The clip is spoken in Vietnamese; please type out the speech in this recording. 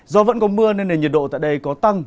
do vẫn có mưa nên nền nhiệt độ tại đây có tăng